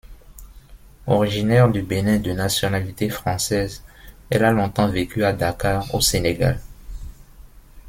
Originaire du Bénin, de nationalité française, elle a longtemps vécu à Dakar, au Sénégal.